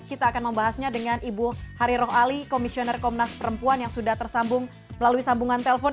kita akan membahasnya dengan ibu hari roh ali komisioner komnas perempuan yang sudah tersambung melalui sambungan telpon